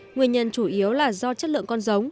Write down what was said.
nguyên nhân chủ yếu là do chất lượng con giống